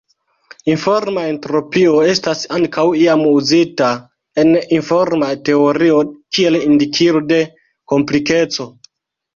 Informa entropio estas ankaŭ iam uzita en informa teorio kiel indikilo de komplikeco.